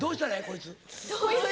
こいつ。